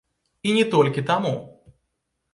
І не толькі таму.